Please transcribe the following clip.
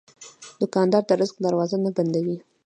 دوکاندار د رزق دروازې نه بندوي.